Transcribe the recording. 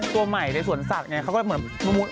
ตัวใหม่ในสวนสัตว์ไงเขาก็เหมือน